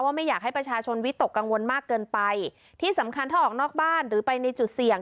ไม่อยากให้ประชาชนวิตกกังวลมากเกินไปที่สำคัญถ้าออกนอกบ้านหรือไปในจุดเสี่ยง